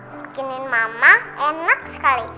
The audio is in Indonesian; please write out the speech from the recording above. bikinin mama enak sekali